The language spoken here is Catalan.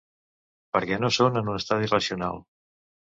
Perquè no són en un estadi racional.